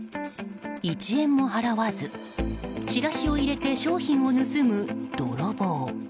１円も払わずチラシを入れて商品を盗む泥棒。